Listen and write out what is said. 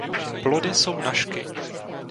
Plody jsou nažky.